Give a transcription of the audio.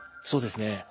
そうですね。